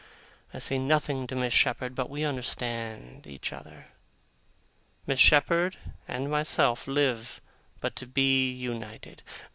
I say nothing to Miss Shepherd, but we understand each other. Miss Shepherd and myself live but to be united.